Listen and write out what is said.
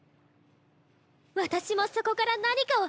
私もそこから何かを始めたい！